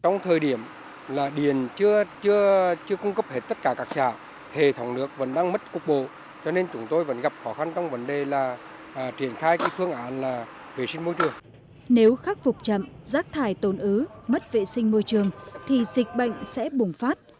nếu khắc phục chậm rác thải tồn ứ mất vệ sinh môi trường thì dịch bệnh sẽ bùng phát